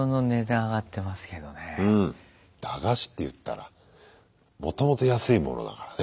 駄菓子っていったらもともと安いものだからね。